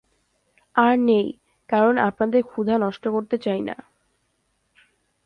আর নেই, কারন আপনাদের ক্ষুধা নষ্ট করতে চাই না।